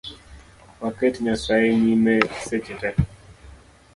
Waket Nyasaye nyime seche tee